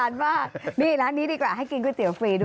ว่านี่ร้านนี้ดีกว่าให้กินก๋วเตี๋ฟรีด้วย